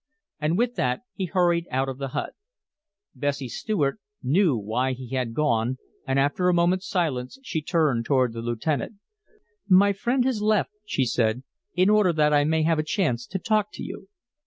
And with that he hurried out of the hut. Bessie Stuart knew why he had gone, and after a moment's silence she turned toward the lieutenant. "My friend has left," she said, "in order that I may have a chance to talk to you."